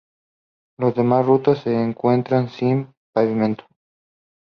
Las demás rutas se encuentran sin pavimento.